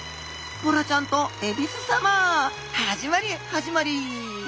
「ボラちゃんとえびす様」始まり始まり